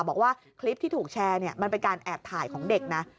บอกว่าคลิปที่ถูกแชร์มันเป็นการแอบถ่ายของเด็กนะ